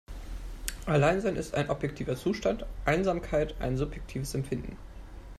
Alleinsein ist ein objektiver Zustand, Einsamkeit ein subjektives Empfinden.